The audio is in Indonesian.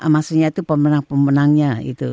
maksudnya itu pemenang pemenangnya